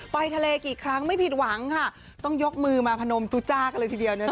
ไปทะเลกี่ครั้งไม่ผิดหวังค่ะต้องยกมือมาพนมตุจ้ากันเลยทีเดียว